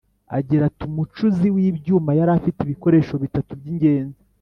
Agira ati: “Umucuzi w’ibyuma yari afite ibikoresho bitatu by’ingenzi